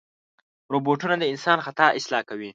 روبوټونه د انسان خطا اصلاح کوي.